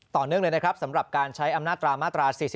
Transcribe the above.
ต่อเนื่องเลยนะครับสำหรับการใช้อำนาจตรามาตรา๔๔